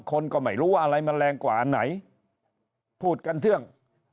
คนก็ไม่รู้ว่าอะไรมันแรงกว่าอันไหนพูดกันเที่ยง